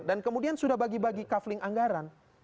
dan kemudian sudah bagi bagi kafling anggaran